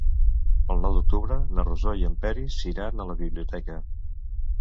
El nou d'octubre na Rosó i en Peris iran a la biblioteca.